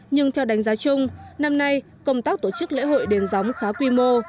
nhưng theo đánh giá chung năm nay công tác tổ chức lễ hội đền gióng khá quy mô